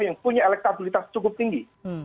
yang punya elektabilitas cukup tinggi